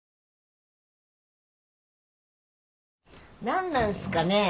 何なんすかね？